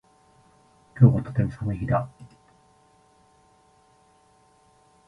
今日はとても寒い日だ